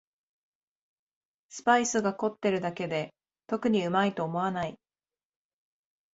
スパイスが凝ってるだけで特にうまいと思わない